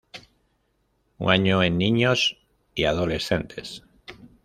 Un año en niños y adolescentes.